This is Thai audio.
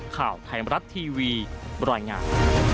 ข่าวไทยมรัฐทีวีบรรยายงาน